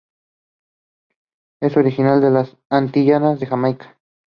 Saari was born in Oulu.